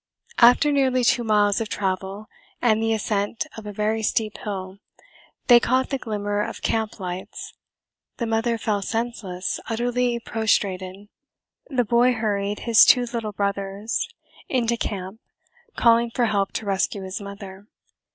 After nearly two miles of travel and the ascent of a very steep hill, they caught the glimmer of camp lights; the mother fell senseless, utterly prostrated. The boy hurried his two little brothers into camp, calling for help to rescue his mother.